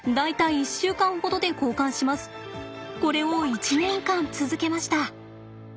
これを１年間続けました。